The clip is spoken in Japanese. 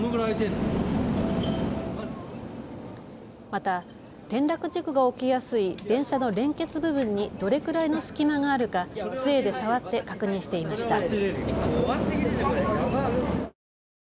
また転落事故が起きやすい電車の連結部分に、どれくらいの隙間があるかつえで触って確認していました。